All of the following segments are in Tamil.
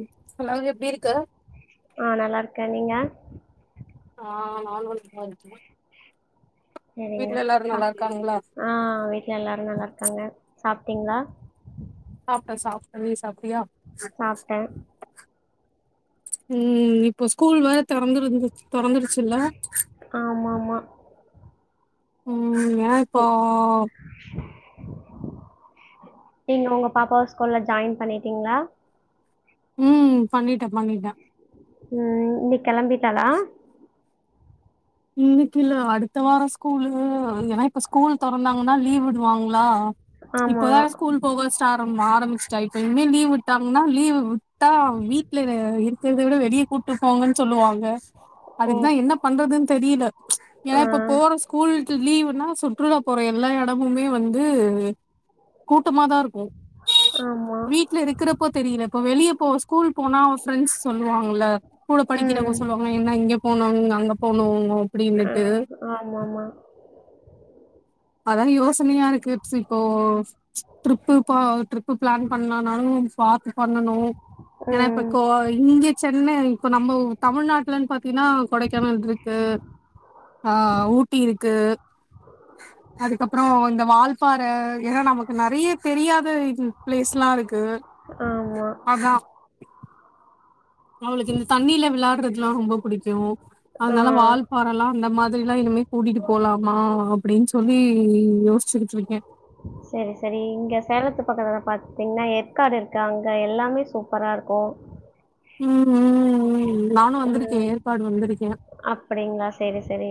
ம் ஹாலோ எப்டி இருக்க க்க நீங்க ஆ நானு நல்லா இருக்கே சேரிங்க வீட்ல எல்லாரு அ நல்லா இருக்காங்களா ஆ வீட்டுல எல்லாரு நல்லா இருக்காங்க சாப்டிங்ளா சாப்டே சாப்டே நீ சாப்டியா? சாப்டே. ம் இப்ப ஸ்கூல் வேற தொறந்துருந்து தொறந்துருச்சில்ல ஆமா ஆமா ம் ஏயா இப்போ நீங்க உங்க பாப்பாவ ஸ்கூல்ல ஜாயின் பண்ணீட்டீங்களா? ம் பண்ணிட்டே பண்ணிட்டே ம் இன்னிக் கெளம்பிட்டாளா இன்னிக்கில்ல அடுத்த வாரோ ஸ்கூலு ஏன்னா இப்ப ஸ்கூல் தொறந்தாங்கன்னா லீவ் விடுவாங்ளா ஆமா இப்போதா ஸ்கூல் போக ஸ்டாரம் ஆரம்பிச் சா இப்ப இனிமே லீவ் விட்டாங்னா லீவ் உட்டா வீட்டல இருக்கறத விட வெளியே கூட்டுப்போங்கன்னு சொல் சொல்லு வாங்க ஓ அதுக்குதா என்ன பண்றதுன்னு தெரியல ஏன்னா ஆ இப்ப போற ஸ்கூல் லீவுனா சுற்றுலா போற எல்லா எடமுமே வந்து கூட்டமா தா இருக்கு ஆமா வீட்ல இருக்குறப்போ தெரில இப்ப வெளிய போ ஸ்கூல் போனா அவே ஃப்ரெண்ட்ஸ் சொல்வாங்கல கூட ம் படிக்கிறவங்க சொல்வாங்கல என்ன இங்க போனோ அங்க போனோ ஓ ஆ அப்டினுட்டு ஆமாமா அதான் யோசனையா இருக்கு எப்சி இப்போ ட்ரிப்பு ப ட்ரிப்பு பிளான் பண்ணனாலு பாத்து பண்ணனு ஏன்னா இப்ப ம் கோ இங்க சென்னை இப்ப நம்ம ஊ தமிழ்நாட்லன்னு பாத்தீங்கன்னா கொடைக்கானல் இருக்கு ஆ ஊட்டி இருக்கு அதுக்கப்றோ இந்த வால்பாற ஏன்னா நமக்கு நறைய தெரியாத ப்ளேஸ்லாம் இருக்கு. க்கு ஆமா அதா அவுளுக்கு இந்த தண்ணில விளையாட்றதெல்லா ரொம்ப புடிக்கு ஆ அதனால வால்பாறலா அந்த மாதி ரிலா இனிமே கூட்டிட்டு போலாமா அப்டின்னு சொல்லி யோசிக்கிட்டு இருக்கே செரி செரி இங்க சேலத்து பக்கத்துல்ல பாத்தீங்கன்னா ஏற்காடு இருக்கு அங்க எல்லாமே சூப்பரா இருக்கு ம் ம் ம் ம் நானு வந்துருக்கே ஏற்காடு வந்துருக்கே அப்டிங்களா செரி செரி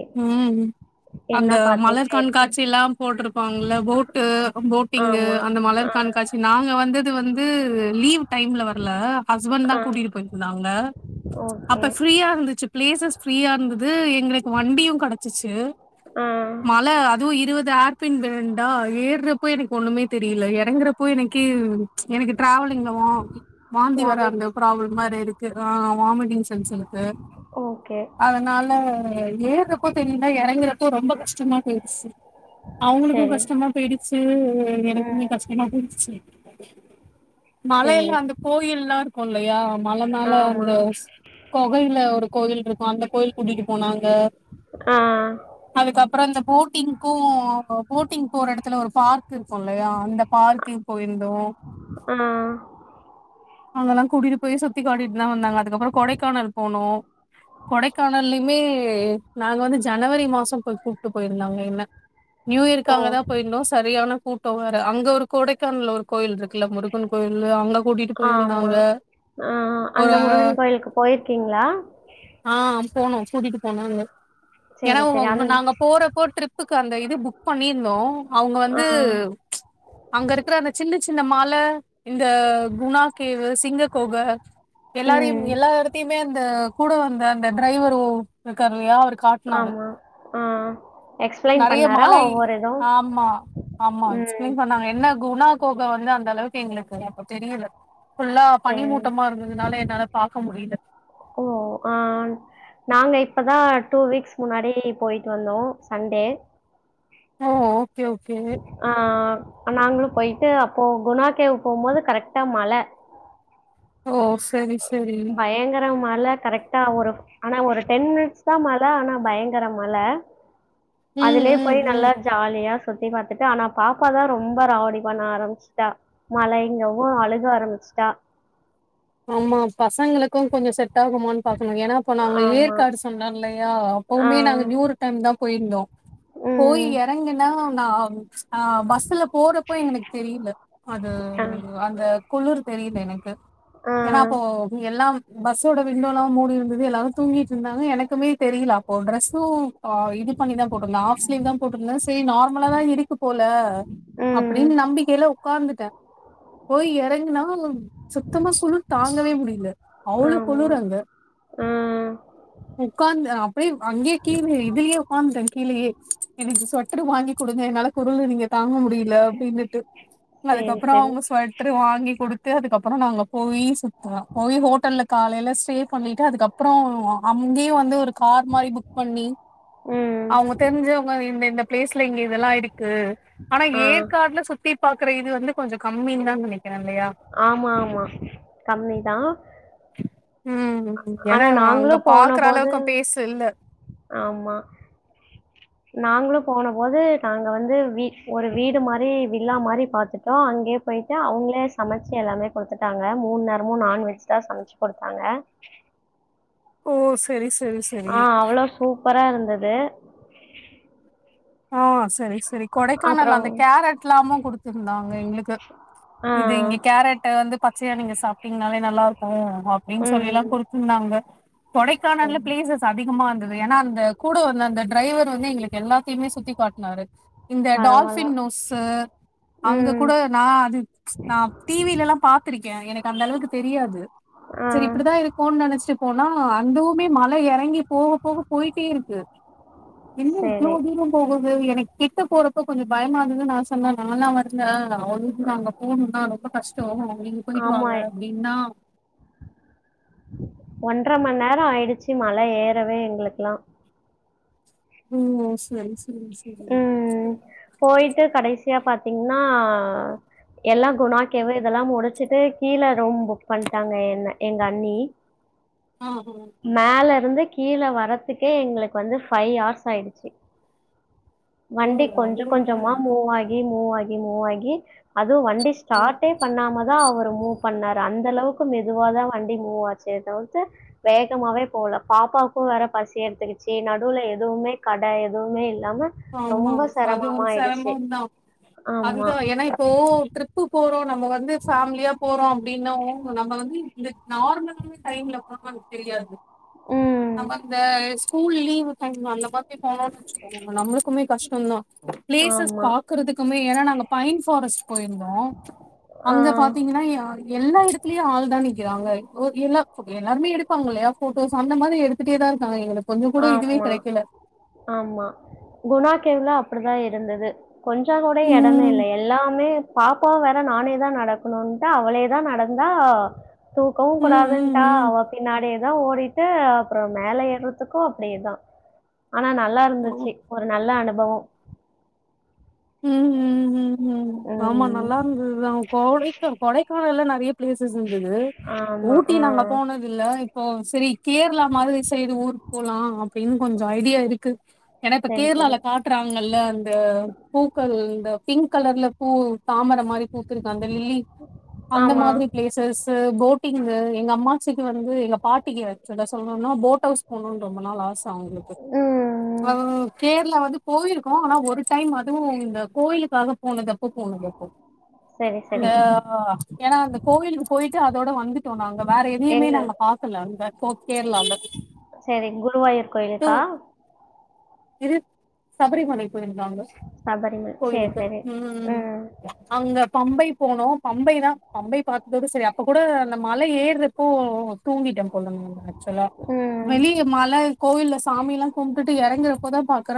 அந்த மலர் கண்காச்சிலாம் போட்டிருப் பாங்ல போட்டு போட்டிங்கு ஆமா. அந்த ஆ, மலர் கண்காச்சி நாங்க வந்தது வந்து து லீவ் டைம்ல வரல பசு ஆ. கூட்டிட்டு போயிருந்தாங்க ஓகே. அப்ப ப்ரீயா இருந்துச்சி பிளேசஸ் ஃப்ரியா இருந் து எங்களுக் வண்டியு கெடச்சிச்சு ஆ. மல அதுவு இருவது ஏர் பின் பெண்டா ஏறுறப்போ எனக்கு ஒன்னுமே தெரியல எறங்குறப்போ எனக்ககே எனக்கு டிராவலிங்ல வ வாந்தி வர வாமிட் அந்த ஒரு மாரி இருக்கு ஆ வாமிட்டிங் சென்ஸ் இருக்கு ஓகே. அதனால ஏறுறப்போ தெரில இறங்குறப்போ ரொம்ப கஷ்டமா போயிருச்சி அவுங்களுக்கு சரி. கஷ்டமா போயிடுச்சு ம். எனக்குமே கஷ்டமா போயிடுச்சு மலையில சரி. அந்த கோயில்லா இருக்கு இல்லையா மல மேல ஆமா. அந்த ச கொகையில ஒரு கோயில் இருக்கு அந்த கோயில் கூட்டிட்டு போனாங்க ஆ, அதுக்கப்பறோ இந்த போட்டிங்கும் போட்டிங் போர எடத்துல ஒரு பார்க் இருக்குன்லயா அந்த பார்க்கு போயிருந்தோ ஆ. அங்கலா கூட்டிட்டு போயி சுத் த்தி காட்டிட்தா வந்தாங்க அதுக்கப்றோ கொடைக்கானல் போனோ கொடைக்கானலயுமே [unintelligible] நாங்க வந்து ஜனவரி மாசோ போ [unintelligible] க்கு போயிருந்தாங்க என்ன ஓ! நியூயருக்காகதா போயிருந்தோ செரியான கூட்டோ வேற அங்க ஒரு கொடைக்கான்ல ஒரு கோயில்ருக்குல முருகன் கோய்லு அங்க கூட்டிட்டு போய் ஆமா ஆ அ அந்த முருகன் கோய்லுக்கு போய்ர்க்கீங்ளா போனோ கூட்டிட்டு போனாங்க ஏனா சரி, சரி. அந் [unintelligible] நாங்க போறப்போ ட்ரிப் புக்கு அந்த இது புக் பண்ணிர்ந்தோ அவுங்க ஆ. வந்து அங்கருக்குற அந்த சின்ன சின்ன மால் இந்த குணாகேவு சிங்க கொக எல்லாரயு ம். எல்லா எடத்தையுமே அந்த கூட வந்த அந்த ட்ரைவரூ இருக்காரில்லயா அவரு காட்னாரு ஆமா. ஆ. எக்ஸ்பிளைன் நெறய பண்ணாரா மலை ஒவ்வொரு இதும்? ஆமா ஆமா ம். எக்ஸ்ப்லைன் பண்ணாங்க என்ன குணா கொக வந்து அந்த அளவுக்கு எங்ளுக்கு தெரியல ஃபுல்லா சரி. பனிமூட்டமா இருந்ததுனால என்னால பாக்க முடியில ஓ ஆ நாங்க இப்பதா டூ வீக்ஸ் முன்னாடி போய்டு வந்தோ சண்டே ஓ ஓகே ஓகே அ நாங்ளு போய்ட்டு அப்போ குணா கேவ் போம்போது கரெக்டா மழ ஓ செரி செ பயங்கர ம மழ கரெக்டா ஒரு ஆனா ஒரு டென் மினிட்ஸ் தா மழ ஆனா பயங்கர மழ ம் அதுலே ம் போய் ம் நல்லா ஜாலியா சுத் சுத்தி பாத்துட்டு ஆனா பாப்பா தா ரொம்ப ராவடி பண்ண ஆரம்ச்ட்டா மழைங்கவு அழுக ஆரம்ச்ட்டா ஆமா பசங்களுக்கூ கொஞ்ச செட் டாகுமானு பாக்கணு ஏனா அப்ப நாங்க ஆமா. ஏற்காடு சொன்னோல்லயா ஆ. அப்பவுமே நாங்க நியூரு டைம் தா போய்ர்ந்தோ போய் ம். எறங்குனா நா அம் ஆ பஸ்ல போறப்போ எனக் தெரில அது ஆ. அந்த குளுர் தெரில எனக்கு ஆ. ஓ எல்லா பஸ்ஸோட விண்டோலா மூடிற்ந்தது எல்லாரு தூங்கிட்ருந்தாங்க எனக்குமே தெரில அப்போ ட்ரெஸ் சும் அ இது பண்ணிதா போட்ருந்த ஆஃப் ஸ்லீவ் தா போட்ருந்த சே நார்மலா தா இருக் க்கு போல ம். அப்டினு நம்பிக்கைல உக்காந்துட்டே போய் எறங்னா சுத்தமா சுரு தாங்கவே முடில அவ்ளோ ஆமா. குளூரு அங்க ஆ. உக்காந்து அப்டியே அங்யே கீழே இதுலயே உக்காந் உக்கான்டே கீழயே எனக்கு சொட்ரு வாங்கி குடுங்க என்னால குருளு இங்க தாங்க முடில அப்டினுட்டு சரி, அதுக்கப்றோ சரி. அவ்ங்க ஸ்வொட்ரு வாங்கி குடுத்து அதுக்கப்றோ நாங்க போயி போய் ஹோட்டல்ல காலைல ஸ்டே பண்ணிட்டு அதுக்கப்றோ ஒ அங்யே வந்து ஒரு கார் மாறி புக் பண்ணி ம். அவுங்க தெரிஞ்சவ்ங்க இந்த இந்த ப்ளேஸ்ல இங்க இதெல்லா இருக்கு ஆனா ஆ. ஏற்காட்ல சுத்தி பாக்குற இது வந்து கொஞ்ச கம்மின்தா நெனைக் ஆமா ஆமா கம்மிதா ம் ஆனா ஏன்னா நாங்ளு அங்க போன பாக்குற போது அளவுக்கு பேசு இல்ல ஆமா நாங்ளு போன போது நாங்க வந்து வீ ஒரு வீடு மாறி வில்லா மாறி பாத்துட்டோ அங்கே போய் ட்டு அவுங்ளே சமச்சு எல்லாமே கொடுத்துட்டாங்க மூன்நேரமு நான்வெஜ் தா சம்ச்சு கொடுத்தாங்க ஓ செ ஆ அவ்ளோ சூப்பராருந்தது ஆ செரி செரி கொடைக்கானல் அப்புறம் அந்த கேரட்லாமு குடுத்துர்ந்தாங்க எங்ளுக்கு ஆ. இது இங்க கேரட் வந்து பச்சயா நீங்க சாப்ட்டீங்னாலே நல்லாருக் கு அப்டினு சொல்லிலா ம். குடுத்துர்ந்தாங்க கொடைக்கானல்ல சரி. பிளேசஸ் அதிகமா இருக்குது ஏனா அந்த கூட வந்த அந்த டிரைவர் வந்து எங்ளுக்கு எல்லாத்தயுமே சுத்தி காட்னாரு இந்த பரவால்ல. டால்ஃபின் நொஸ்சு அங்க ம். கூட நா அது ம் நா டிவிலல்லா பாத்ருக்கே எனக் அந்த அளவுக் தெரியாது ஆ. சரி இப்டிதா இருக்கூனு நெனச்சிட் போனா அந்துவுமே மல இறங்கி போக போக போய்ட்டேருக்கு இல்ல இவ்ளோ சரி. தூரோ போகுது எனக்கு கிட்ட போறப்ப கொஞ்சோ பயமாதுன்னு நா சொன்ன நா லா வர்ல அவங்க நா அங்க போணு தா ரொம்ப கஷ்டோ நீங்க போயிட்டு ஆமா. வாங்க அப்டின்னா ஒன்றர மண் நேரோ ஆயிடுச்சு மல ஏறவே எங்களுகெல்லா உம் சரி ச உம் போயிட்டு கடைசியா பாத்தீங்கன்னா எல்லா குனாக்கேவு இதெல்லா முடிச்சிட்டு கீல ரூம் புக் பண்ட்டாங்க என்ன எங்க அண்ணி ஆ ஆ மேல இருந்து கீல வரறதுக்கே எங்களுக்கு வந்து ஃபைவ் ஹார்ஸ் ஆயிடுச்சு ஓ வண்டி கொஞ்சோ அவ்ளோ தூரோ கொஞ்சோமா மூவாகி மூவாகி மூவாகி ஆ து வண்டி ம் ஸ்டார்ட்டே பண்ணாம தா அவர் மூவ் பண்ணார் அந்த அளவுக்கு மெதுவா தா வண்டி மூவாச்சுதவிர்த்து வேகமாவே போகல பாப்பாவுக்கு வேற பசி எடுத்துக்கிச்சு நடுவுல எதுவுமே கட எதுவுமே இல் இல்லாம ஆமா ரொம்ப அது செரமமா ஒரு ஆயிடுச்சு செரமம் தா ஆமா அதுதா ஏன்னா இப்போ ட்ரிப்பு போறோ நம்ம வந்து ஃபேமிலியா போறோ அப்படின்னு நம்ம வந்து இந்த நார்மலான டைம்ல போன நமக்கு தெரியாது ம். நம்ப இந்த ஸ்கூல் லீவு கணு அந்த மாதிரி போநோனு வச்சுக்கோங்க நம்மளுக்குமே கஷ்டோதா ப்ளேசஸ் ஆமா. பாக்குறதுக்குமே ஏன்னா நாங்க பைன் ஃபாரஸ்ட் போயிருந்தோ ஆ. அங்க பாத்தீங்கன்னா எல்லா இடத்துலயு ஆள்தா நிக் றாங்க ஒ எல்லா எல்லாருமே எடுப்பாங்க இல்லையா ஃபோட்டோஸ் அந்த மாதிரி எடுத்துட்டே தா இருக்காங்க எங்களு ஆமா ஆமா குணா கேவ்ல அப்டிதா இருந்தது கொஞ்சோ கூட எடமே இல்ல ம் எல்லாமே பாப்பாவு வேற நானே தா நடக்கணும்ன்ட்டா அவளேதா நடந்தா தூக்கவு ம் ம் கூடாதுட்டா ம் அவ பின்னாடியேதா ஓடிட்டு அப்றோ மேல ஏற் த்துக்கு அப்டேதா ஆனா நல்லா ஓ, இருந்துச்சு ஒரு நல்ல அனுபவோ உம் ம்ம் ஆமா ம். நல்லா இருந்துதுதா கோடைக்க கொடைக்கானல்ல நா ப்ளேசஸ் இருந்துது ஆமா. ஊட்டி ஆ. நாங்க போனது இல்ல ஓ சரி கேரளா மாறி சைடு ஊருக்கு போலா அப்டின்னு கொஞ்சோ ஐடியா இருக்கு ஏன்னா இப்ப சரி, சரி. கேரளால காட்டுறாங்கல்ல அந்த பூக்கள் இந்த பிங்க் கலர்ல பூ தாமர மாறி பூத்துருக்கு அந்த லில்லி அந்த ஆமா. மாதிரி ப்ளேசஸு போட்டிங்கு எங்க அம்மாசிக்கு வந்து எங்க பாட்டிகி சொல்லசொல்னுனா போட் ஹவுஸ் போனுன்னு ரொம்ப நாள் ஆ ச அவுங்களுக்கு ம். கேரளா வந்து போயிருக்கோ ஆனா ஒரு டைம் அதுவு இந்த கோயிலுக்காக போனதப்போ போனதப்போ சரி, சரி. அ ஏன்னா அந்த கோயிலுக்கு போயிட்டு அதோட வந்துட்டோ நாங்க வேற எதையுமே எங்க? நாங்க பாக்க ல அங்க போ கேரளால சரி குருவாயூர் டூ கோயிலுக்கா இது சபரிமலைக்கு போயிந்தாங் சபரிமல சேரி கோயிலுக்கு சேரி உம் ம் அங்க பம்பை போனோ பம்பை தா பம்பை பாத்ததோட சரி அப்ப கூட அந்த மலை ஏறப்போ தூங்கிட்ட போல நா ஆச்சுவலா ம் வெளிய மல கோவில்லல சாமி எல்லா கும்ட்டுட்டு இறங்கறப்போதா பா க்கற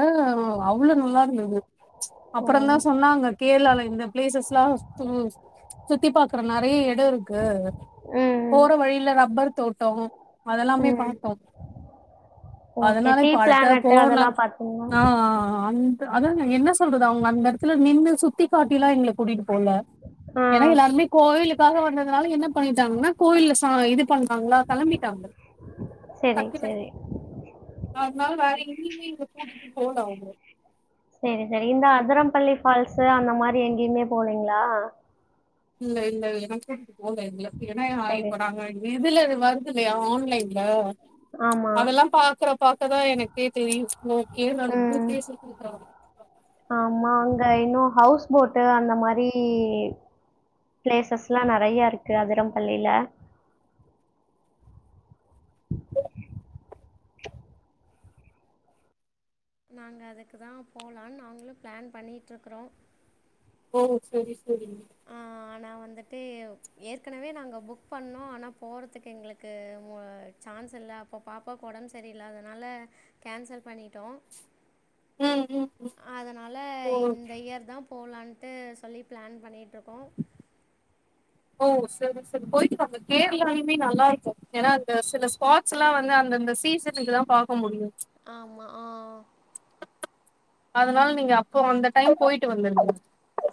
அவ்ளோ நல்லா இருந்தது அப்பறோ தா ம் சொன்னாங்க கேரளால இந்த ப்ளேசஸ் எல்லா உம் சுத்தி பாக்குற நெறைய எடோ இருக்கு ம் போற வழில ரப்பர் தோட்டோ அதெல்லாமே ம் பாத்தோ ஓகே அதனால டீ இப்ப அடுத்த பிளானட்டு போனா அதெல்லா பாத்தீங்கன்னா ஆ அந் அதா நா என்ன சொல்றது அவுங்க அந்த எடத்துல நின்னு சுத்தி காட்டிலா எங்கள கூட்டிட்டு போல ஆ எனக்கு எல்லாருமே கோவிலுக்காக வந்தது அதனால என்ன பண்ணிட்டாங்கன்னா கோவில்ல சா இது பண்ணுவாங்களா கிளம்பிட்டாங்க செரி டக்குனு செரி அதனால வேற எங்கையுமே இவுங்க கூட்டிட்டு போல அவுரு செரி செரி இந்த அதரம்பள்ளி ஃபால்ஸு அந்த மாரி எங்கேயுமே போலீங்ளா இல்ல இல்ல என்ன கூட்டிட்டு போக டைம் இல்ல ஏன்னா நா சரி இப்ப நாங்க [unintelligible] இதுல அது வருது இல்லையா ஆன்லைன்ல ஆம் அதெல்லாம் பாக்குற பாக்கதா எனக்கே தெரியு ஓகே நான் ம் குரூப்லே [unintelligible] ஆமா அங்க இன்னு ஹவுஸ் போட்டு அந்த மாரி ப்ளேசஸ்ல்லா நெறைய இருக்கு அதிரம்பள்ளில நாங்க அதுக்குதா போலான்னு நாங்களு பிளான் பண்ணிட்டுருக்றோ ஓ செரி செரி ஆனா வந்துட்டு ஏற்கனவே நாங்க புக் பண்ணோ ஆனா போறதுக்கு எங்களுக்கு வ அ சான்ஸ் இல்ல அப்ப பாப்பாக்கு ஒடம்பு சரியில்ல அதனால கேன்சல் பண்ணிட்டோ ம் ம் அதனால ஓ இந்த இயர் தா போலான்டு சொல்லி பிளான் பண்ணிட்டுருக் ஓ செரி செரி போயிட்டு வாங்க கேரளாலுமே நல்லாருக்கு ஏன்னா அந்த சில ஸ்பாட்ஸ்லா வந்து அந்த அந்த சீசனுக்கு தா பாக்க முடியு ஆமா ஆஹ் அதனால நீங்க அப்ப அந்த டைம் போயிட்டு வந்துருங்க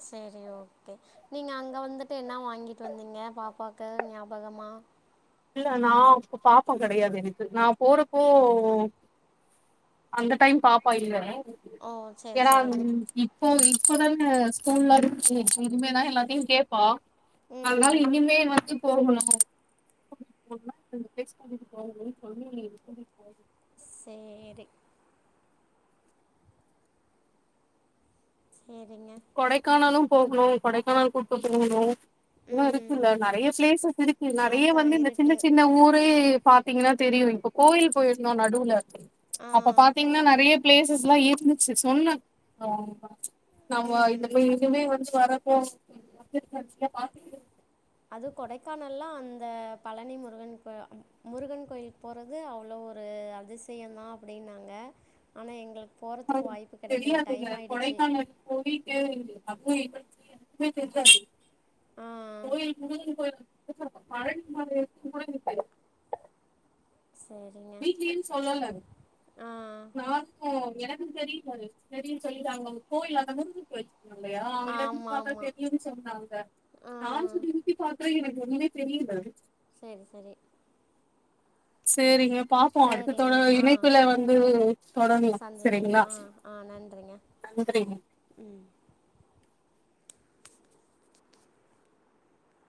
செரி ஓகே நீங்க அங்க வந்துட்டு என்ன வாங்கிட்டு வந்தீங்க பாப்பாக்கு ஞாபகமா ஆஹ இல்ல நா அப்போ பாப்பா கெடையாது எனக்கு நா போறப்போ அந்த டைம் பாப்பா இல்ல ஓ செரி ஏன்னா செரி ம், இப்போ இப்பதானே ஸ்கூல்ல இருந்துச்சி இதுமேதா எல்லாத்தையு கேப்பா அதனால ம். இனிமே வந்து போகணு [inaudible] [inaudible] [unintelligible] சொல்லி கூட்டிட்டு போனு சேரி சரிங்க. கொடைக்கானலு போகணு கொடைக்கானல் கூட்டு போகணு இன்னு ம். இருக்குல்ல நெறைய பிளேசஸ் இருக்கு நெறைய அதான் வந்து இந்த சின்ன இருக்கு. சின்ன ஊரே பாத்தீங்னா தெரியு இப்ப கோவில் போயிருந்தோ நடுவுல ஆ. அப்ப பாத்தீங்னா நெறைய பிளேஸ் சஸ் இருந்துச்சு சொன்னே [inaudible] நா வ ம். [unintelligible] இனிமே வந்து வர ஓ [inaudible] அது கொடைக்கானல்லா அந்த பழனி முருகன் கோ முருகன் கோயில் போறது அவ்ளோ ஒரு அது அதிசயந்தா அப்டின்னாங்க ஆனா எங்களுக் [inaudible] தெரியாதுல்ல கொடைக்கான போயிட்டு அப்போ எங்களுக்கு எதுமே தெரியாது ஆ கோயில் முருகன் கோயில் [inaudible] பழனி மலை [unintelligible] [unintelligible] சரிங்க வீட்லீனு சொல்லல அது ஆ நானு [unintelligible] எனக்கு தெரில அது செரின்னு சொல்லிட்டு அவங்க அவங்க கோயில அங்க முருகன் கோயில் ல்லையா அவங்க இருந்து ஆமாம் பாத்தா ஆமாம் தெரியுன்னு சொன்னாங்க ஆ நானு சுத்திமுத்தி பாக் [unintelligible] எனக்கு ஒண்ணுமே தெரியல செரி செரி சேரிங்கப் பாப்போ அடுத்த சரிங்க தடவ ஆ இணைப்புல வந்து தொடங்குவோ சந்திப்போம் செரிங்களா ஆ ஆ நன்றிங்க நன்றிங்க